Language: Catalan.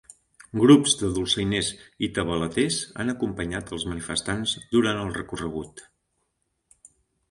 Grups de dolçainers i tabaleters han acompanyat els manifestants durant el recorregut.